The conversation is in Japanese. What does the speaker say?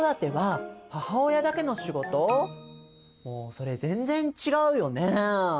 もうそれ全然違うよね。